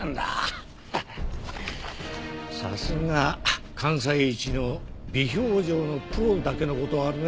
さすが関西一の微表情のプロだけの事はあるね。